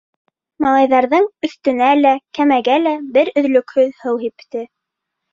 Малайҙарҙың өҫтөнә лә, кәмәгә лә бер өҙлөкһөҙ һыу һипте.